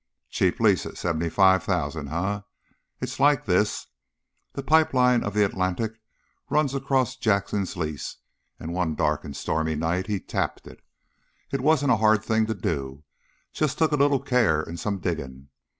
Cheap lease at seventy five thousand, eh? It's like this: the pipe line of the Atlantic runs across Jackson's lease, and one dark and stormy night he tapped it. It wasn't a hard thing to do; just took a little care and some digging.